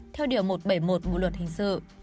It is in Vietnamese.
theo điều một trăm bảy mươi một bộ luật hình sự